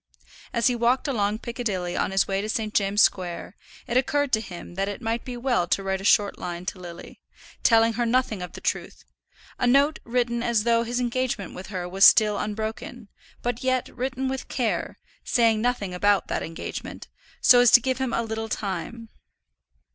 As he walked along Piccadilly on his way to St. James's Square, it occurred to him that it might be well to write a short line to Lily, telling her nothing of the truth, a note written as though his engagement with her was still unbroken, but yet written with care, saying nothing about that engagement, so as to give him a little time.